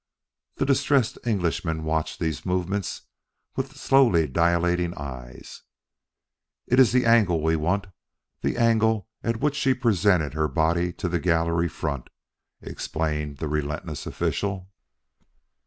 The distressed Englishman watched these movements with slowly dilating eyes. "It's the angle we want the angle at which she presented her body to the gallery front," explained the relentless official.